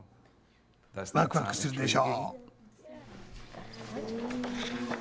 ワクワクするでしょ。